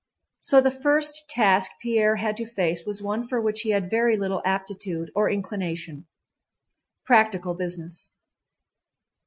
So the first task Pierre had to face was one for which he had very little aptitude or inclination—practical business.